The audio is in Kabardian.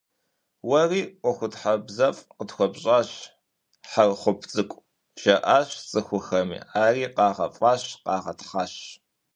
«Уэри ӀуэхутхьэбзэфӀ къытхуэпщӀащ, Хьэрхъуп цӀыкӀу», - жаӀащ цӀыхухэми, ари къагъэфӀащ, къагъэтхъащ.